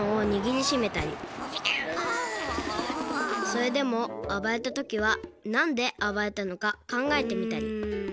それでもあばれたときはなんであばれたのかかんがえてみたりうん。